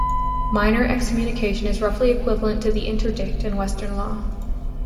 Minor excommunication is roughly equivalent to the interdict in Western law.